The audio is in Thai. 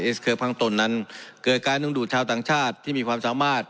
สเคอร์พังตนนั้นเกิดการดึงดูดชาวต่างชาติที่มีความสามารถ